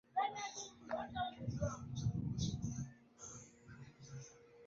wa utalii Alijitoa sana kwa kufanya kazi kwa bidii kushirikiana na wadau na kwa